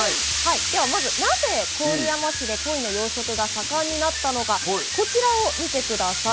ではまずなぜ郡山市でコイの養殖が盛んになったのかこちらを見て下さい。